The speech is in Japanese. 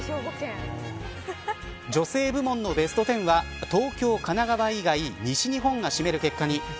女性部門のベスト１０は東京、神奈川以外西日本が占める結果に。